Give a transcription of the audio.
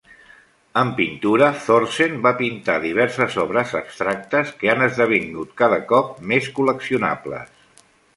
En pintura, Thorsen va pintar diverses obres abstractes, que han esdevingut cada cop més col·leccionables.